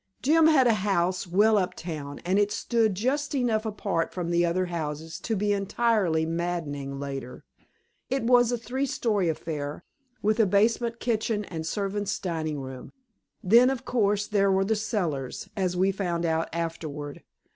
Jim had a house well up town, and it stood just enough apart from the other houses to be entirely maddening later. It was a three story affair, with a basement kitchen and servants' dining room. Then, of course, there were cellars, as we found out afterward.